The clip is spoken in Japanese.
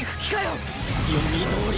読みどおり！